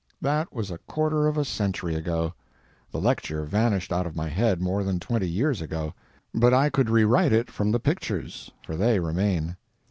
That was a quarter of a century ago; the lecture vanished out of my head more than twenty years ago, but I could rewrite it from the pictures—for they remain.